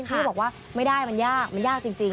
เขาบอกว่าไม่ได้มันยากมันยากจริง